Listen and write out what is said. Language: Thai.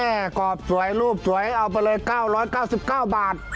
กรอบสวยรูปสวยเอาไปเลย๙๙๙บาท